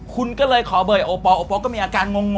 คุณก็เลยขอเบอร์โอปอลโอปอลก็มีอาการงง